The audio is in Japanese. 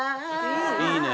いいねえ。